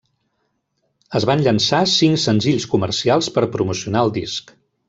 Es van llançar cinc senzills comercials, per promocionar el disc.